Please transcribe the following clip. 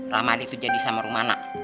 ramadhi tuh jadi sama rumah anak